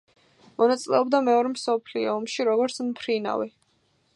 მონაწილეობდა მეორე მსოფლიო ომში როგორც მფრინავი.